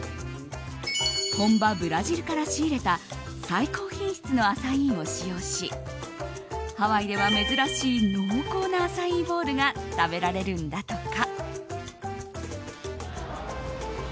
本場ブラジルから仕入れた最高品質のアサイーを使用しハワイでは珍しい濃厚なアサイーボウルが食べられるんだとか。